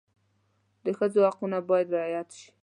د ښځو حقونه باید رعایت شي.